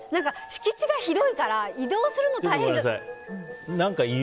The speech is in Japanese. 敷地が広いから移動するの大変じゃない？